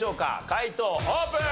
解答オープン！